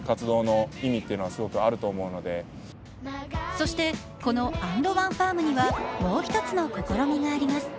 そして、この＆ＯＮＥＦＡＲＭにはもう一つの試みがあります。